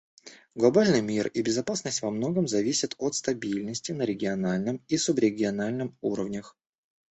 Глобальный мир и безопасность во многом зависят от стабильности на региональном и субрегиональном уровнях.